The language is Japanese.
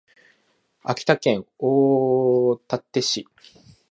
秋田県大館市